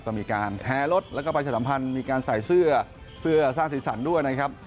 ก็มีการแพ้รถแล้วก็ประชาสัมพันธ์มีการใส่เสื้อเพื่อสร้างสีสันด้วยนะครับ